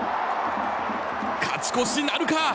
勝ち越しなるか？